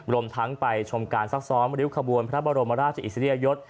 รวมทั้งไปชมการซักซ้อมริ้วขบวนพระบรมราชอิสริยยศ